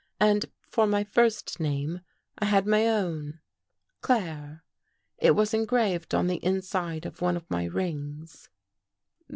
And for my first name, I had my own — Claire. It was engraved on the inside of one of my rings."